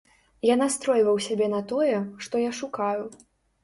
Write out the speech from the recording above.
Я настройваў сябе на тое, што я шукаю.